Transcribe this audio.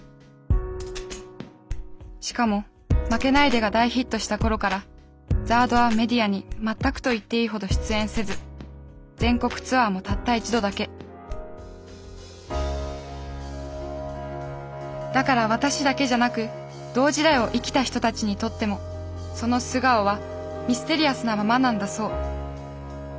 しかも「負けないで」が大ヒットした頃からＺＡＲＤはメディアに全くといっていいほど出演せず全国ツアーもたった一度だけだから私だけじゃなく同時代を生きた人たちにとってもその素顔はミステリアスなままなんだそう。